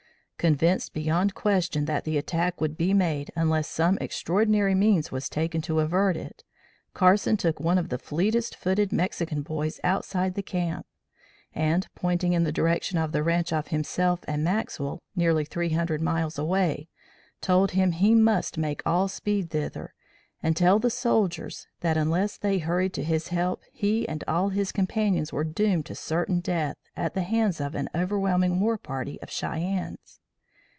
Convinced beyond question that the attack would be made unless some extraordinary means was taken to avert it, Carson took one of the fleetest footed Mexican boys outside the camp, and, pointing in the direction of the ranche of himself and Maxwell, nearly three hundred miles away, told him he must make all speed thither, and tell the soldiers that unless they hurried to his help he and all his companions were doomed to certain death at the hands of an overwhelming war party of Cheyennes.